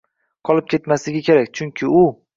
qolib ketmasligi kerak, chunki u